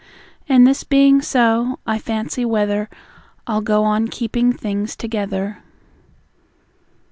And this being so, I fancy whether I'll go on keeping things together.